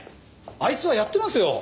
あいつはやってますよ。